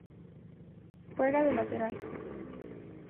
Juega de Lateral.